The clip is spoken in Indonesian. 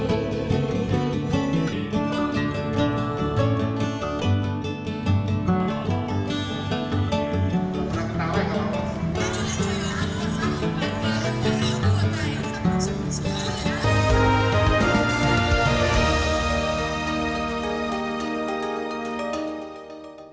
aku guru dan aku kawal aku percaya